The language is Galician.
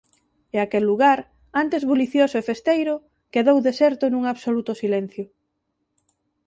E aquel lugar, antes bulicioso e festeiro, quedou deserto nun absoluto silencio.